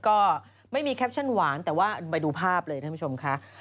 ก็ไม่มีแคปชั่นหวานแต่ว่าไปดูภาพเลยท่านผู้ชมค่ะ